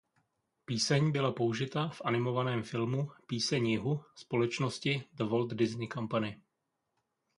Píseň byla použita v animovaném filmu "Píseň jihu" společnosti The Walt Disney Company.